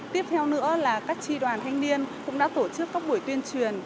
tiếp theo nữa là các tri đoàn thanh niên cũng đã tổ chức các buổi tuyên truyền